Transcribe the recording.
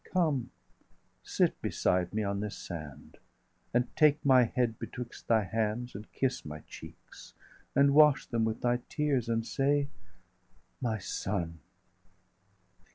° °717 Come, sit beside me on this sand, and take My head betwixt thy hands, and kiss my cheeks, And wash them with thy tears, and say: _My son!